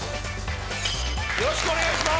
よろしくお願いします！